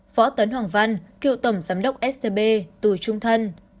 võ tấn hoàng văn cựu tổng giám đốc scb tù trung thân